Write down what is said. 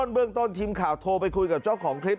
เบื้องต้นทีมข่าวโทรไปคุยกับเจ้าของคลิป